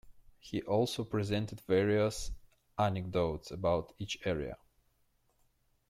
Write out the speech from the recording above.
He also presented various anecdotes about each area.